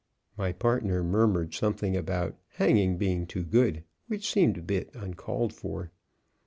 My partner muttered something about hanging being too good, which seemed a bit uncalled for.